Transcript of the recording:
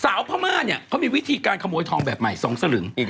สาวเผ่ามากเจ้ามีวิธีการขโมยทองแบบใหม่สองฉะลึง